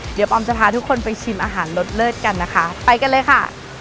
เดี๋ยวปอมจะพาทุกคนไปชิมอาหารรสเลิศกันนะคะไปกันเลยค่ะ